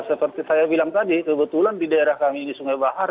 seperti saya bilang tadi kebetulan di daerah kami di sungai bahar